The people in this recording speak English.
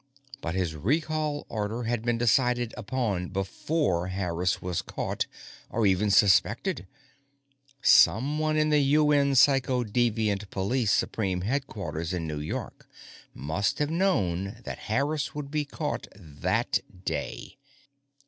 But his recall order had been decided upon before Harris was caught or even suspected. Someone in the UN Psychodeviant Police Supreme Headquarters in New York must have known that Harris would be caught that day!